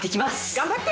頑張って！